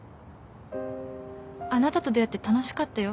あなたと出会って楽しかったよ